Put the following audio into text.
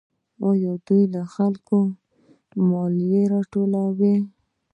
آیا دوی له خلکو مالیه نه راټولوي؟